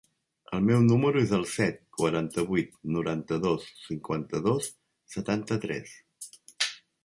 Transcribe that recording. El meu número es el set, quaranta-vuit, noranta-dos, cinquanta-dos, setanta-tres.